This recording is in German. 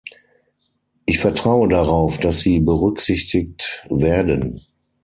Ich vertraue darauf, dass sie berücksichtigt werden.